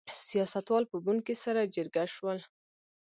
سیاستوال په بن کې سره جرګه شول.